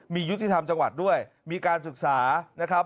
มียุติธรรมจังหวัดด้วยมีการศึกษานะครับ